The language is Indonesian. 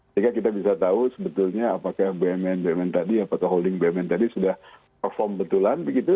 sehingga kita bisa tahu sebetulnya apakah bumn bumn tadi apakah holding bumn tadi sudah perform betulan begitu